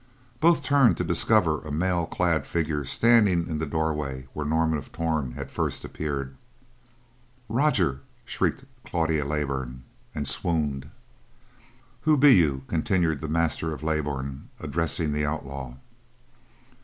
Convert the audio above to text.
Both turned to discover a mail clad figure standing in the doorway where Norman of Torn had first appeared. "Roger!" shrieked Claudia Leybourn, and swooned. "Who be you?" continued the master of Leybourn addressing the outlaw.